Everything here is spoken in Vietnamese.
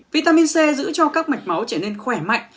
vitamin c giữ cho các mạch máu trở nên khỏe mạnh